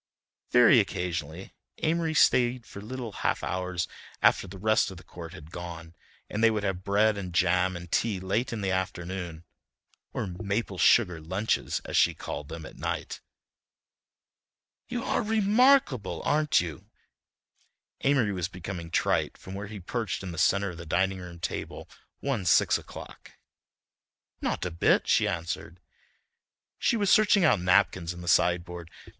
Very occasionally Amory stayed for little half hours after the rest of the court had gone, and they would have bread and jam and tea late in the afternoon or "maple sugar lunches," as she called them, at night. "You are remarkable, aren't you!" Amory was becoming trite from where he perched in the centre of the dining room table one six o'clock. "Not a bit," she answered. She was searching out napkins in the sideboard.